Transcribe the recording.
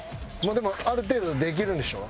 でもある程度できるんでしょ？